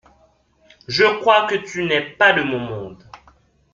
Je crois que tu n’es pas de mon monde.